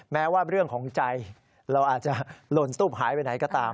แม้ว่าเรื่องของใจเราอาจจะหล่นตุ๊บหายไปไหนก็ตาม